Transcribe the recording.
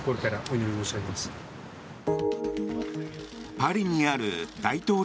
パリにある大統領